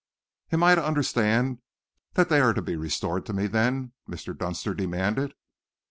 "Am I to understand that they are to be restored to me, then?" Mr. Dunster demanded.